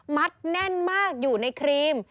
แน่นมากอยู่ในครีม